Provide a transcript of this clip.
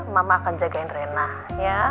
mama akan jagain rena ya